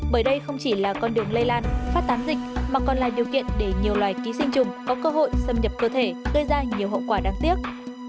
bởi đây không chỉ là con đường lây lan phát tán dịch mà còn là điều kiện để nhiều loài ký sinh trùng có cơ hội xâm nhập cơ thể gây ra nhiều hậu quả đáng tiếc